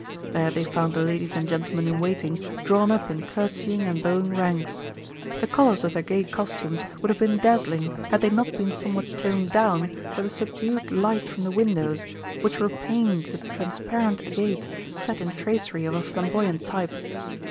There they found the ladies and gentlemen in waiting drawn up in curtseying and bowing ranks. The colours of their gay costumes would have been dazzling, had they not been somewhat toned down by the subdued light from the windows, which were paned with transparent agate set in tracery of a flamboyant type.